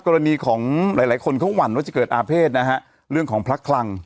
กรณีของหลายหลายคนเขาหวั่นว่าจะเกิดอาเภษนะฮะเรื่องของพระคลัง